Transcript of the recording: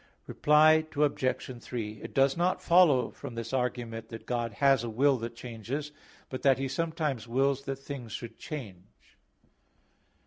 Reply Obj. 3: It does not follow from this argument that God has a will that changes, but that He sometimes wills that things should change.